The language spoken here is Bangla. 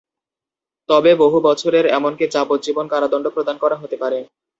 তবে বহু বছরের এমনকি যাবজ্জীবন কারাদণ্ড প্রদান করা হতে পারে।